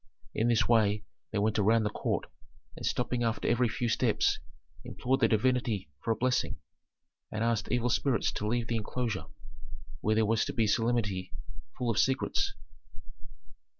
In this way they went around the court and stopping after every few steps, implored the divinity for a blessing, and asked evil spirits to leave the enclosure, where there was to be a solemnity full of secrets.